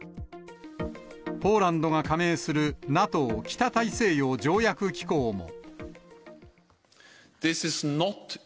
ポーランドが加盟するＮＡＴＯ・北大西洋条約機構も。